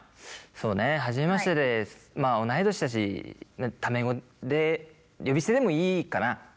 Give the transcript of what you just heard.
そうね初めましてでまあ同い年だしタメ語で呼び捨てでもいいかな？